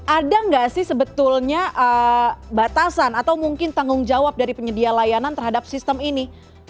ada nggak sih sebetulnya batasan atau mungkin tanggung jawab dari penyedia layanan terhadap sistem ini